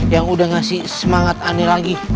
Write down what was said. yang udah ngasih semangat aneh lagi